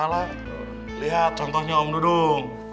lihat contohnya om dudung